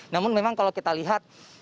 namun memang kalau kita lihat saat penumpang ini